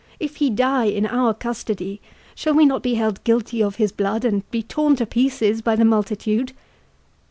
—if he die in our custody, shall we not be held guilty of his blood, and be torn to pieces by the multitude?"